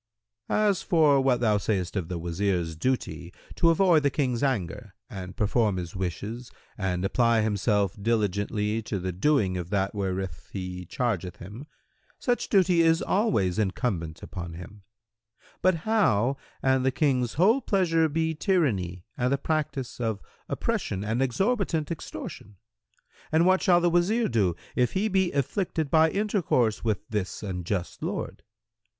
Q "As for what thou sayest of the Wazir's duty to avoid the King's anger and perform his wishes and apply himself diligently to the doing of that wherewith he chargeth him, such duty is always incumbent on him; but how, an the King's whole pleasure be tyranny and the practice of oppression and exorbitant extortion; and what shall the Wazir do, if he be afflicted by intercourse with this unjust lord?